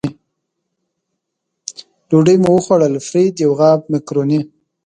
ډوډۍ مو وخوړل، فرید یو غاب مکروني.